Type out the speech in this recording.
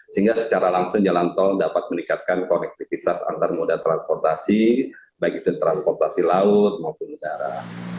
sehingga secara langsung jalan tol dapat meningkatkan konektivitas antar moda transportasi baik itu transportasi laut maupun udara